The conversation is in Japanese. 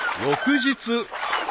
［翌日］